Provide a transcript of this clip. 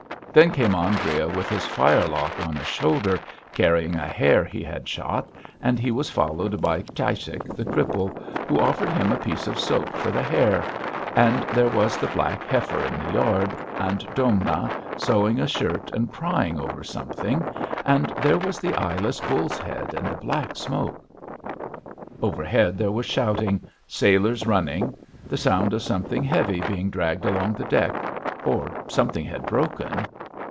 Then came Andrea, with his firelock on his shoulder, carrying a hare he had shot, and he was followed by Tsaichik the cripple, who offered him a piece of soap for the hare; and there was the black heifer in the yard, and Domna sewing a shirt and crying over something, and there was the eyeless bull's head and the black smoke.... Overhead there was shouting, sailors running; the sound of something heavy being dragged along the deck, or something had broken....